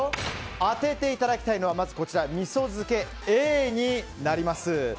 当てていただきたいのは味噌漬けＡになります。